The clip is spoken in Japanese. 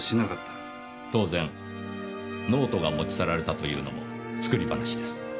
当然ノートが持ち去られたというのも作り話です。